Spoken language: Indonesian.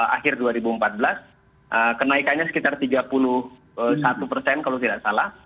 akhir dua ribu empat belas kenaikannya sekitar tiga puluh satu persen kalau tidak salah